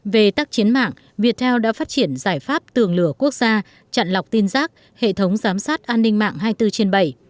về tác chiến mạng việt theo đã phát triển giải pháp tường lửa quốc gia chặn lọc tin giác hệ thống giám sát an ninh mạng hai mươi bốn trên bảy